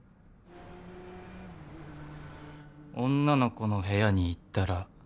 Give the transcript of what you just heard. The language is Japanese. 女の子の部屋に行ったら